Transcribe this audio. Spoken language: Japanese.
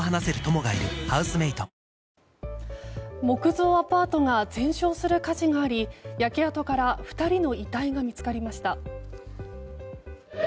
木造アパートが全焼する火事があり焼け跡から２人の遺体が見つかりました。